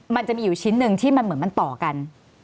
มันจะมีอยู่ชิ้นหนึ่งที่มันเหมือนมันต่อกัน